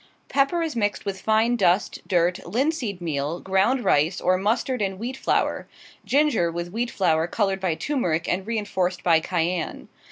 Pepper is mixed with fine dust, dirt, linseed meal, ground rice, or mustard and wheat flour; ginger, with wheat flour colored by turmeric and reinforced by cayenne.